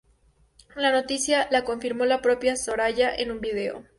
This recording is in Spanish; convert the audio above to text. La noticia la confirmó la propia Soraya en un video.